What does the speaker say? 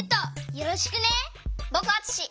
よろしく！